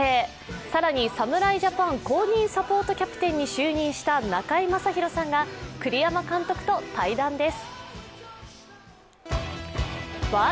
更に侍ジャパン公認サポートキャプテンに就任した中居正広さんが栗山監督と対談です。